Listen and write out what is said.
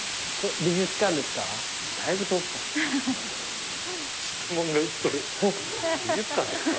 「美術館ですか？」